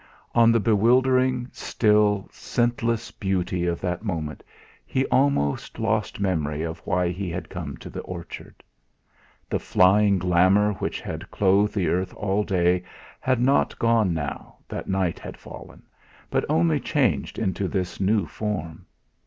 In the bewildering, still, scentless beauty of that moment he almost lost memory of why he had come to the orchard. The flying glamour which had clothed the earth all day had not gone now that night had fallen, but only changed into this new form.